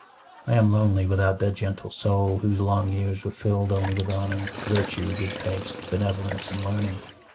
I am lonely without that gentle soul whose long years were filled only with honor, virtue, good taste, benevolence, and learning.